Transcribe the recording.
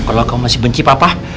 kalau kamu masih benci papa